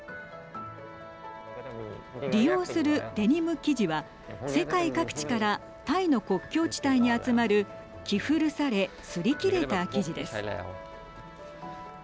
利用するデニム生地は世界各地からタイの国境地帯に集まる着古され、すり切れた生地です。